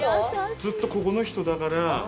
ずっとここの人だから。